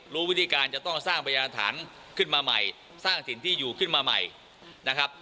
รู้วิธีการจะต้องสร้างพยานฐานขึ้นมาใหม่สร้างถิ่นที่อยู่ขึ้นมาใหม่นะครับ